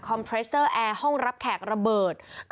คอมเพรสเซอร์ห้องรับแขกระเบิด